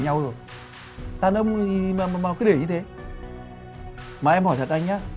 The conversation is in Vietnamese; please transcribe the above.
ngày hôm đó anh thành đột nhiên về nhà sớm hơn thường nhật